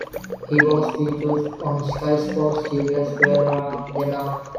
He was featured on Sky Sports series "Where are they now".